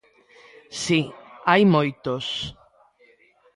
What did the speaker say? Si, hai moitos.